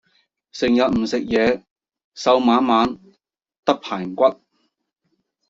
成日唔食嘢瘦蜢蜢得棚骨